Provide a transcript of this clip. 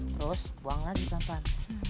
terus buang lagi sempat